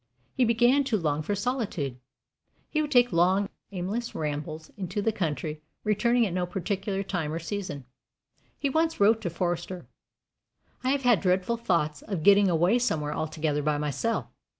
He began to long for solitude. He would take long, aimless rambles into the country, returning at no particular time or season. He once wrote to Forster: I have had dreadful thoughts of getting away somewhere altogether by myself.